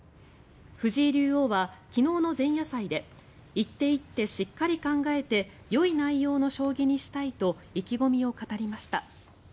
藤井竜王は昨日の前夜祭で１手１手しっかり考えてよい内容の将棋にしたいと意気込みを語りました。